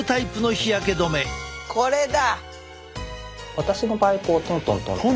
これだ！